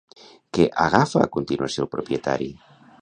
Què agafa a continuació el propietari?